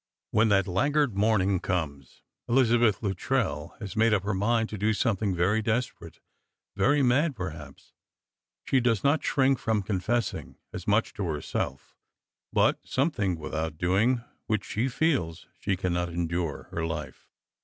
When that laggard morning comes, Elizabeth Luttrell hag made up her mind to do something very desperate, very mad, perhaps ; she does not shrink from confessing as much to her self; but something without doing which s»o feels she cannot endure her life.